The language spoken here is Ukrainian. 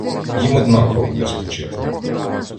їм однаково, де спочити.